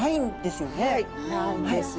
ないんですよ。